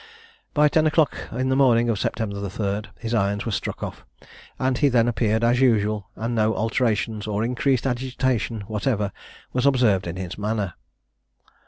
By ten o'clock in the morning of September 3, his irons were struck off; and he then appeared as usual, and no alteration or increased agitation, whatever, was observed in his manner.